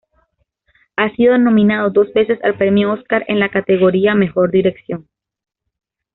Ha sido nominado dos veces al premio Oscar en la categoría Mejor dirección.